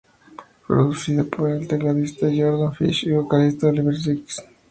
Producida por el tecladista Jordan Fish y vocalista Oliver Sykes.